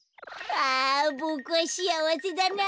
ああボクはしあわせだな。